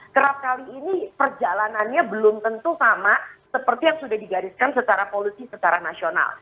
kerap kali ini perjalanannya belum tentu sama seperti yang sudah digariskan secara polusi secara nasional